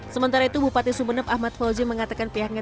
sementara itu bupati sumeneb ahmad fauzi mengatakan pihaknya